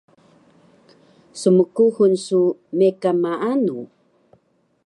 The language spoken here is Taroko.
Smkuxul su mekan maanu?